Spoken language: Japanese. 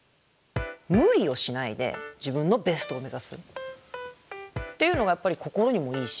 無理をしないで自分のベストを目指すっていうのがやっぱり心にもいいし。